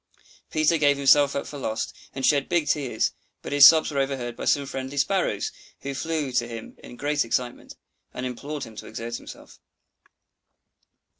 Peter gave himself up for lost, and shed big tears; but his sobs were overheard by some friendly Sparrows, who flew to him in great excitement, and implored him to exert himself.